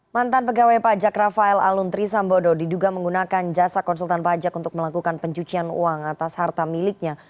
mantan pegawai pajak rafael aluntri sambodo diduga menggunakan jasa konsultan pajak untuk melakukan pencucian uang atas harta miliknya